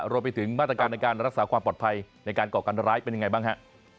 รวมไปถึงมาตรการในการรักษาความปลอดภัยในการก่อการร้ายเป็นยังไงบ้างฮะ